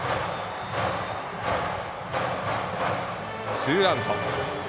ツーアウト。